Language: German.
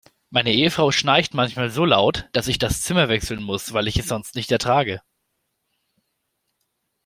Meine Ehefrau schnarcht manchmal so laut, dass ich das Zimmer wechseln muss, weil ich es sonst nicht ertrage.